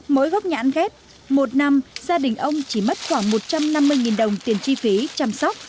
mỗi gốc nhãn ghép một năm gia đình ông chỉ mất khoảng một trăm năm mươi đồng tiền chi phí chăm sóc